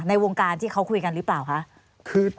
ในวงการที่เขาคุยกันหรือเปล่าคะ